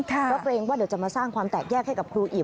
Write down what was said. เพราะเกรงว่าเดี๋ยวจะมาสร้างความแตกแยกให้กับครูอีก